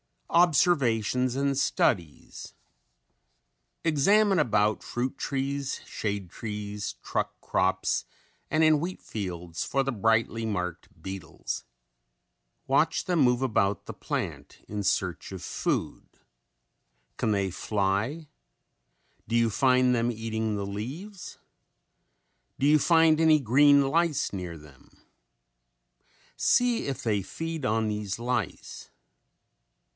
OBSERVATIONS AND STUDIES Examine about fruit trees, shade trees, truck crops and in wheat fields for the brightly marked beetles. Watch them move about the plant in search of food. Can they fly? Do you find them eating the leaves? Do you find any green lice near them? See if they feed on these lice.